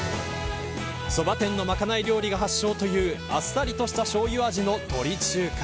そば店の賄い料理が発祥というあっさりとしたしょうゆ味の鳥中華。